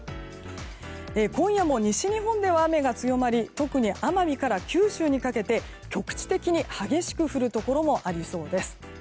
今夜も西日本では雨が強まり特に奄美から九州にかけて局地的に激しく降るところもありそうです。